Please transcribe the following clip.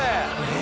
え？